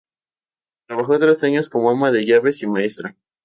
Trabajó tres años como ama de llaves y maestra.